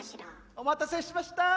お待たせしました。